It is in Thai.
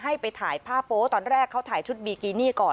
ให้ไปถ่ายผ้าโป๊ตอนแรกเขาถ่ายชุดบีกินี่ก่อน